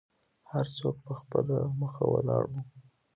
هر څوک په خپله مخه ولاړو.